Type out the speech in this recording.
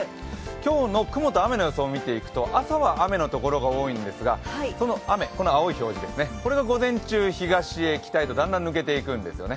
今日の雲と雨の様子を見ていくと朝は雨の所が多いんですがこの雨、青い表示ですね、これが午前中、東へ北へだんだん抜けていくんですよね。